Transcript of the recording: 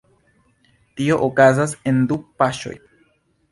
Tio okazas en du paŝoj.